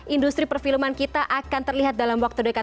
industri perfilman kita akan terlihat dalam waktu dekat